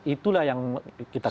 itulah yang kita cari